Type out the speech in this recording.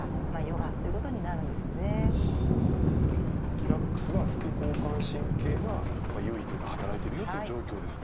リラックスは副交感神経が優位というか働いてるよっていう状況ですか。